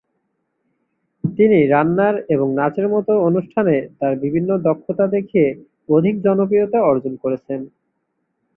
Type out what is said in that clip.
তিনি রান্নার এবং নাচের মতো অনুষ্ঠানে তার বিভিন্ন দক্ষতা দেখিয়ে অধিক জনপ্রিয়তা অর্জন করেছেন।